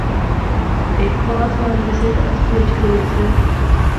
ہک واز مارنے سے تے اس پوچی غنے سیاں